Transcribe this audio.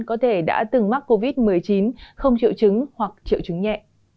có thể đã từng mắc covid một mươi chín không triệu chứng hoặc triệu chứng nhẹ